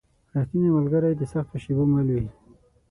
رښتینی ملګری د سختو شېبو مل وي.